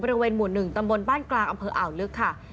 บริเวณหมู่๑ตำบลบ้านกลางอำเภออ่าวลึกค่ะ